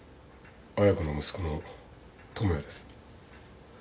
亜矢子の息子の智也です。